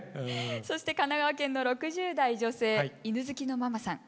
そして神奈川県の６０代・女性犬好きのママさん。